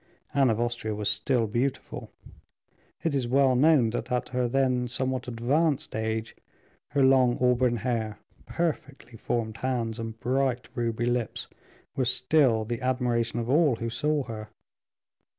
Anne of Austria was still beautiful. It is well known that at her then somewhat advanced age, her long auburn hair, perfectly formed hands, and bright ruby lips, were still the admiration of all who saw her.